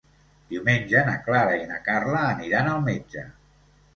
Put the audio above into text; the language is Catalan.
Diumenge na Clara i na Carla aniran al metge.